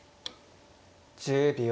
１０秒。